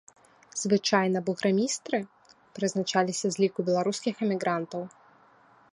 Звычайна бургамістры прызначаліся з ліку беларускіх эмігрантаў.